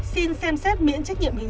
xin xem xét miễn chí